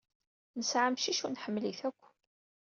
Nesɛa amcic u nḥemmel-it akk.